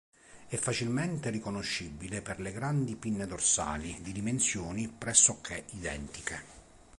È facilmente riconoscibile per le grandi pinne dorsali di dimensioni pressoché identiche.